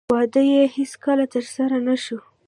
واده یې هېڅکله ترسره نه شو